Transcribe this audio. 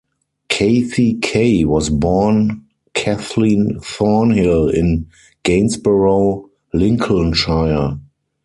Kathie Kay was born Kathleen Thornhill in Gainsborough, Lincolnshire.